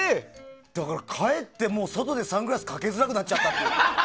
だから、かえって外でサングラスをかけづらくなっちゃったっていう。